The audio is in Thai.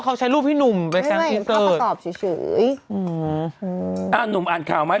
เขาว่ามาอย่างนี้